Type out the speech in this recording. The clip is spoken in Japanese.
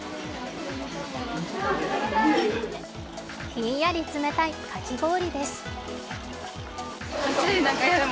ひんやり冷たい、かき氷です。